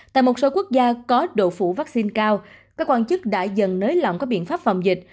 tại một số quốc gia có độ phủ vaccine cao các quan chức đã dần nới lỏng các biện pháp phòng dịch